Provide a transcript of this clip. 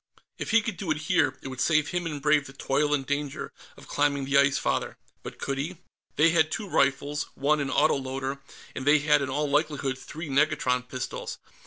If he could do it here, it would save him and Brave the toil and danger of climbing the Ice Father. But could he? They had two rifles, one an autoloader, and they had in all likelihood three negatron pistols.